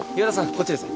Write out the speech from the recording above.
こっちです。